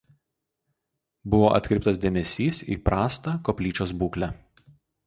Buvo atkreiptas dėmesys į prastą koplyčios būklę.